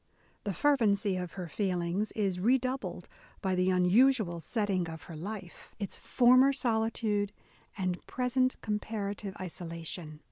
The fervency of her feelings is redoubled by the unusual setting of her life — its former solitude, A DAY WITH E. B. BROWNING and present comparative isolation.